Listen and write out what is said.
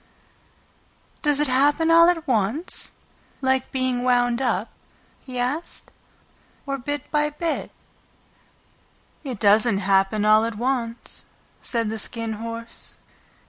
"Does it happen all at once, like being wound up," he asked, "or bit by bit?" "It doesn't happen all at once," said the Skin Horse.